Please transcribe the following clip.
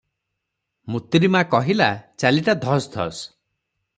ମୁତୁରୀମା କହିଲା, ଚାଲିଟା ଧସ୍ ଧସ୍ ।